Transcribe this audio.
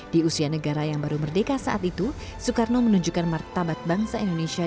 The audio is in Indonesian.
di usia negara yang baru merdeka saat itu soekarno menunjukkan martabat bangsa indonesia